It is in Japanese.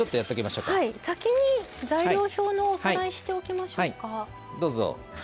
先に材料表のおさらいしておきましょうか。